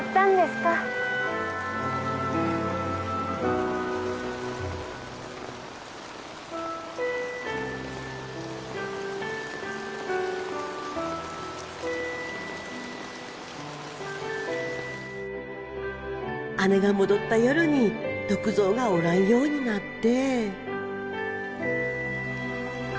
うん・姉が戻った夜に篤蔵がおらんようになって